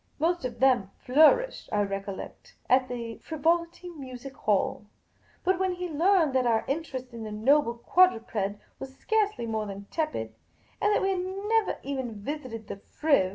Most of them flourished, I recollect, at the Frivolity Music Hall. But when he learned that our inter est in the noble quadruped was scarcely more than tepid, and that we had never even visited " the Friv.